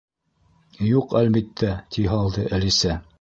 —Юҡ, әлбиттә, —ти һалды Әлисә.